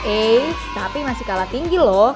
eits tapi masih kalah tinggi loh